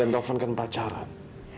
alena dan taufan kan pacaran